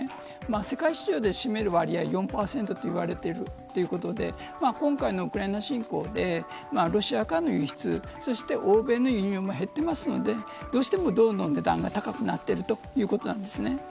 世界市場で占める割合は４％と言われているということで今回のウクライナ侵攻でロシアからの輸出そして欧米の輸入も減っているのでどうしても銅の値段が高くなってるということなんです。